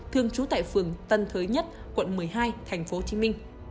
thường trú tại phường tân thới nhất quận một mươi hai tp hcm